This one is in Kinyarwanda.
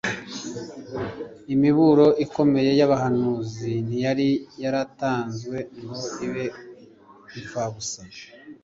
imiburo ikomeye y'abahanuzi ntiyari yaratanzwe ngo ibe imfabusa